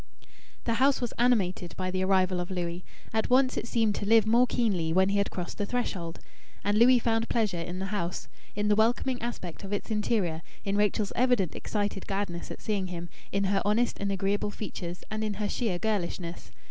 The house was animated by the arrival of Louis; at once it seemed to live more keenly when he had crossed the threshold. And Louis found pleasure in the house in the welcoming aspect of its interior, in Rachel's evident excited gladness at seeing him, in her honest and agreeable features, and in her sheer girlishness.